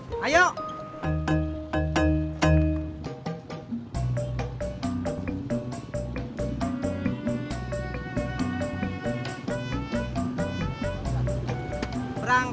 cepat semangnya bang